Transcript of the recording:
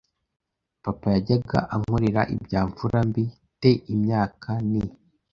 papa yajyaga ankorera ibya mfura mbi te imyaka ni